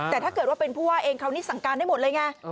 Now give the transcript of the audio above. แต่ถ้าเกิดว่าเป็นผู้ว่าเองคราวนี้สั่งการได้หมดเลยไง